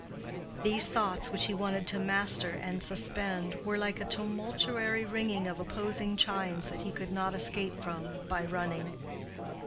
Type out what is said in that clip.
These thoughts, which he wanted to master and suspend, were like a tumultuary ringing of opposing chimes that he could not escape from by running.